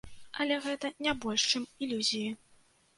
Але гэта не больш чым ілюзіі.